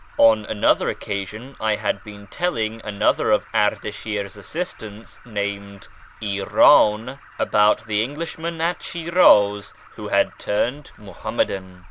On another occasion I had been telling another of Ard ashir's assistants named Iran about the Englishman at Shiraz who had turned Muhammadan.